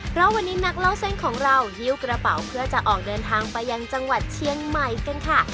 เพราะวันนี้นักเล่าเส้นของเราหิ้วกระเป๋าเพื่อจะออกเดินทางไปยังจังหวัดเชียงใหม่กันค่ะ